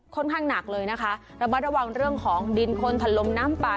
ข้างหนักเลยนะคะระมัดระวังเรื่องของดินคนถล่มน้ำป่า